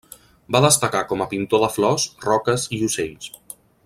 Va destacar com a pintor de flors, roques i ocells.